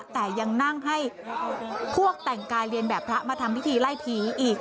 แต่ยังนั่งให้พวกแต่งกายเรียนแบบพระมาทำพิธีไล่ผีอีก